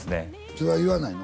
それは言わないの？